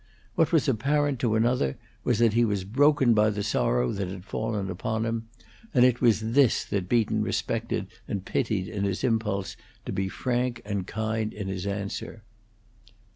What was apparent to another was that he was broken by the sorrow that had fallen upon him, and it was this that Beaton respected and pitied in his impulse to be frank and kind in his answer.